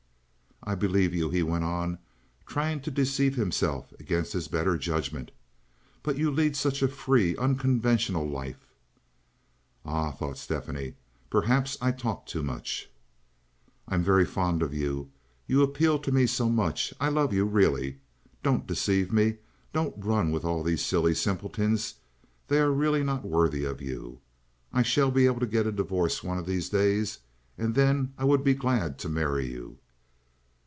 "I believe you," he went on, trying to deceive himself against his better judgment. "But you lead such a free, unconventional life." "Ah," thought Stephanie, "perhaps I talk too much." "I am very fond of you. You appeal to me so much. I love you, really. Don't deceive me. Don't run with all these silly simpletons. They are really not worthy of you. I shall be able to get a divorce one of these days, and then I would be glad to marry you."